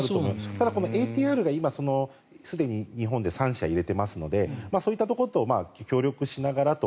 ただ、ＡＴＲが今、すでに日本で３社入れていますのでそういったところと協力しながらと。